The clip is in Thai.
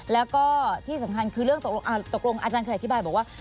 แล้วก็ที่สำคัญคือเรื่องตกลงอาจารย์เคยอธิบายบอกว่า